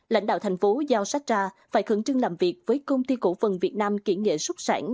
lãnh đạo thành phố giao sacha phải khẩn trưng làm việc với công ty cổ phần việt nam kiện nghệ xuất sản